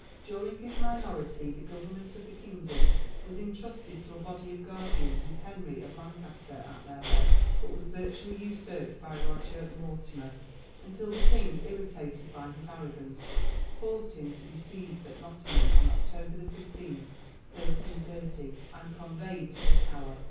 During his minority the government of the kingdom was intrusted to a body of guardians with Henry of Lancaster at their head, but was virtually usurped by Roger Mortimer, until the king, irritated by his arrogance, caused him to be seized at Nottingham on October 15, 1330, and conveyed to the Tower.